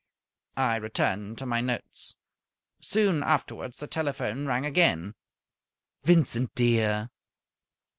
I returned to my notes. Soon afterwards the telephone rang again. "Vincent, dear?"